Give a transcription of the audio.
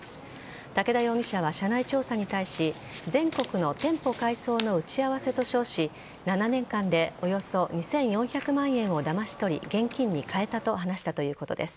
武田容疑者は社内調査に対し全国の店舗改装の打ち合わせと称し７年間でおよそ２４００万円をだまし取り現金に換えたと話したということです。